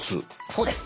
そうです。